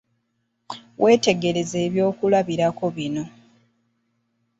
Weetegereze ebyokulabirako bino.